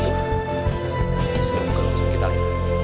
sudah bukan usut kita lagi